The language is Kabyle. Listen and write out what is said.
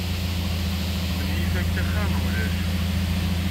Menyif akka xir n ulac.